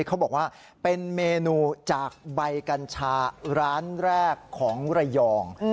เขาบอกว่าเป็นเมนูจากใบกัญชาร้านแรกของระยอง